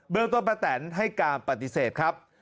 เรื่องต้นป้าแตนให้การปฏิเสธครับ